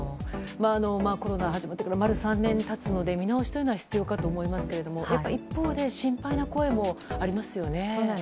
コロナが始まってから丸３年経つので見直しというのは必要かと思いますがやっぱり、一方で心配な声もありますよね。